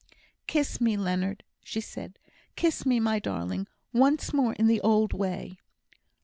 "Kiss me, Leonard!" said she "kiss me, my darling, once more in the old way!"